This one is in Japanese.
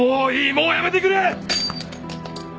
もうやめてくれ！